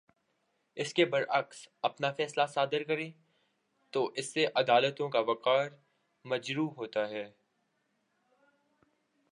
اس کے برعکس اپنا فیصلہ صادر کریں تو اس سے عدالتوں کا وقار مجروح ہوتا ہے